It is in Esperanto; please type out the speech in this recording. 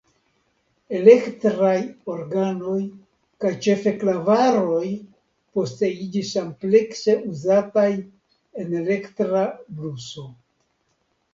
Elektraj organoj kaj ĉefe klavaroj poste iĝis amplekse uzataj en elektra bluso.